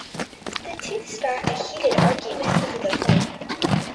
The two start a heated argument over the phone.